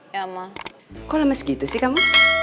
ya ma kok lemes gitu sih kamu